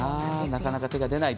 なかなか手が出ない。